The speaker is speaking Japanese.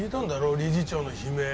理事長の悲鳴。